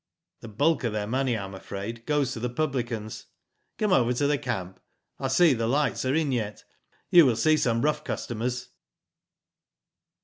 The bulk of their money, I am afraid, goes to the publicans. Come over to the camp ; I see the lights are in yet ; you will see some rough customers."